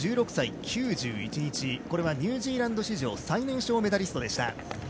１６歳９１日これはニュージーランド史上最年少メダリストでした。